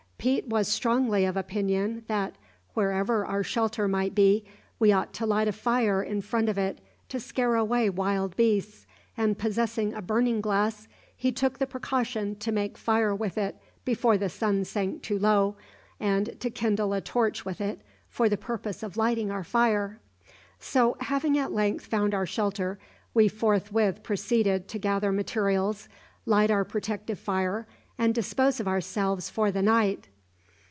Pete was strongly of opinion that, wherever our shelter might be, we ought to light a fire in front of it to scare away wild beasts, and, possessing a burning glass, he took the precaution to make fire with it before the sun sank too low, and to kindle a torch with it for the purpose of lighting our fire. So, having at length found our shelter, we forthwith proceeded to gather materials, light our protective fire, and dispose of ourselves for the night.